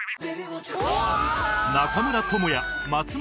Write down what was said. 中村倫也松村